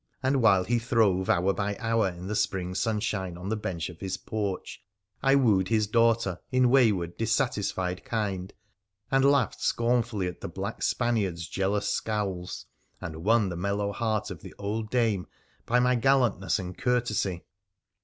And while he throve hour by hour in the spring sunshine on the bench of his porch, I wooed his daughter in wayward, dissatisfied kind, and laughed scornfully at the black Spaniard's jealous scowls, and won the mellow_ heart of the old dame by my gallantness and courtesy.